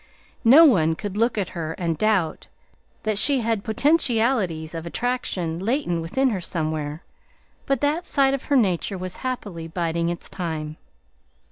No one could look at her and doubt that she had potentialities of attraction latent within her somewhere, but that side of her nature was happily biding its time.